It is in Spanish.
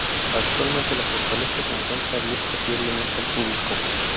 Actualmente, la fortaleza se encuentra abierta diariamente al público.